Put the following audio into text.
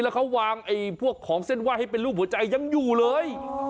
แล้วเขาวางไอ้พวกของเส้นไหว้ให้เป็นรูปหัวใจยังอยู่เลย